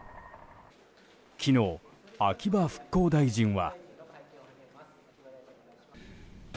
昨日、秋葉復興大臣は。